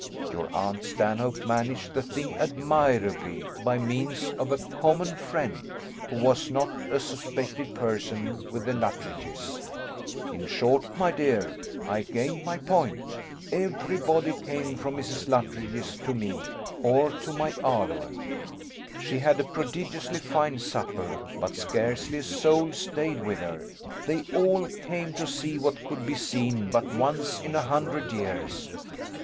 Your aunt Stanhope managed the thing admirably by means of a common friend, who was not a suspected person with the Luttridges; in short, my dear, I gained my point every body came from Mrs. Luttridge's to me, or to my aloe. She had a prodigiously fine supper, but scarcely a soul stayed with her; they all came to see what could be seen but once in a hundred years.